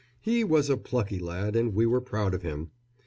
He was a plucky kid and we were proud of him.